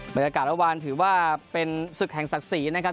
บรรยากาศเมื่อวานถือว่าเป็นศึกแห่งศักดิ์ศรีนะครับ